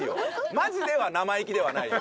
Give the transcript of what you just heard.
マジでは生意気ではないよ。